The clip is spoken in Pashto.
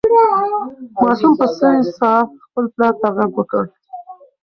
ماشوم په سوې ساه خپل پلار ته غږ وکړ.